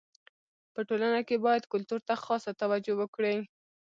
په ټولنه کي باید کلتور ته خاصه توجو وکړي.